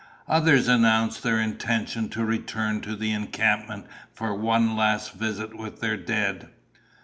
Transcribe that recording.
Others announced their intention to return to the encampment for one last visit with their dead.